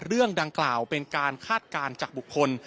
เรื่องดังกล่าวเป็นการคาดการณ์จากบุคคล